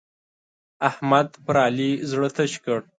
احمد پر علي زړه تش کړ.